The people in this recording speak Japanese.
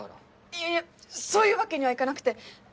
いやいやそういうわけにはいかなくて。